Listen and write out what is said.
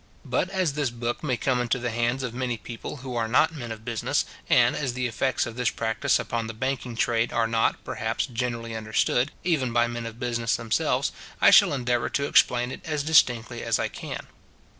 But as this book may come into the hands of many people who are not men of business, and as the effects of this practice upon the banking trade are not, perhaps, generally understood, even by men of business themselves, I shall endeavour to explain it as distinctly as I can.